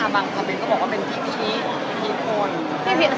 แล้วน้องนิชาบางคำเม้นก็บอกว่าเป็นพี่พีชพี่พีชพน